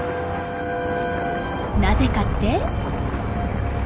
なぜかって？